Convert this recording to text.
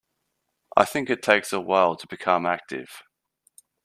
I think it takes a while to become active.